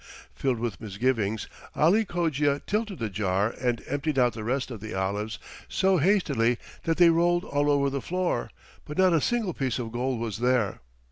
Filled with misgivings, Ali Cogia tilted the jar and emptied out the rest of the olives so hastily that they rolled all over the floor, but not a single piece of gold was there.